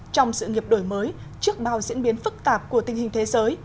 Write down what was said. trong sự nghiệp đổi mới trước bao diễn biến phức tạp của tình hình thế giới